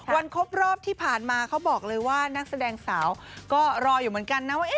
ครบรอบที่ผ่านมาเขาบอกเลยว่านักแสดงสาวก็รออยู่เหมือนกันนะว่า